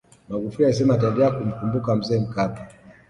magufuli alisema ataendelea kumkumbuka mzee mkapa